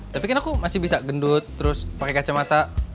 tapi kan aku masih bisa gendut terus pakai kacamata